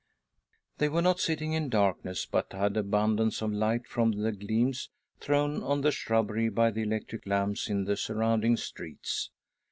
They were not sitting in darkness, but had abundance of light from the gleams thrown on the shrubbery by the electric lamps in the surrounding streets..